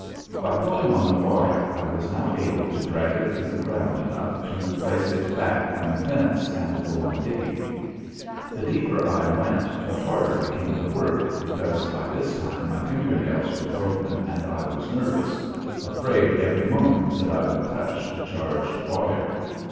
By pulling on the wire I was now able to drag it through the ground enough to place it back from the fence and go on digging. The deeper I went the harder became the work, because by this time my finger nails were broken and I was nervous afraid every moment that I would touch the charged wire.